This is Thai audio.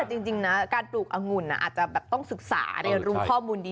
จริงนะการปลูกอังุ่นอาจจะแบบต้องศึกษาเรียนรู้ข้อมูลดี